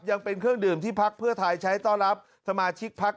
ยังเป็นเครื่องดื่มที่พักเพื่อไทยใช้ต้อนรับสมาชิกพัก